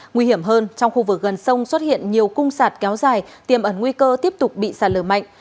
nguy hiểm hơn trong khu vực gần sông xuất hiện nhiều cung sạt kéo dài tiềm ẩn nguy cơ tiếp tục bị sạt lở mạnh